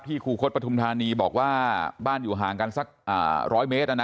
คูคศปฐุมธานีบอกว่าบ้านอยู่ห่างกันสัก๑๐๐เมตร